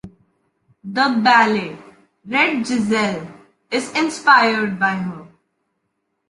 The Ballet "Red Giselle" is inspired by her.